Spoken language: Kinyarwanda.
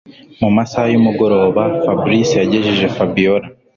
Mumasaha yumugoroba Fabric yagejeje Fabiora